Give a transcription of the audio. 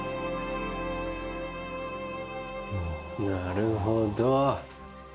なるほど。